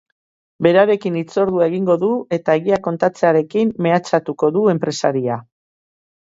Berarekin hitzordua egingo du eta egia kontatzearekin mehatxatuko du enpresaria.